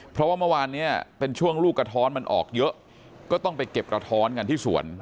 เพราะว่าเมื่อวานนี้เป็นช่วงลูกกระท้อนมันออกเยอะก็ต้องไปเก็บกระท้อนกันที่สวน